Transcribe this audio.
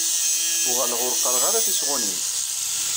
Uɣaleɣ ur qqareɣ ara tisɣunin.